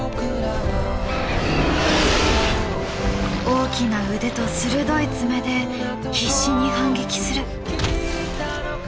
大きな腕と鋭いツメで必死に反撃する。